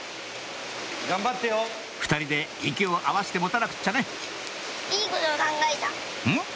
２人で息を合わせて持たなくちゃねうん？